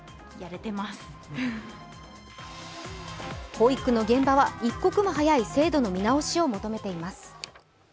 保育の現場は一刻も早い制度の見直しを求めています。